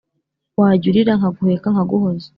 Wajya urira nkaguheka nkaguhoza